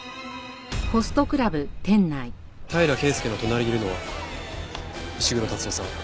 平良圭介の隣にいるのは石黒竜夫さん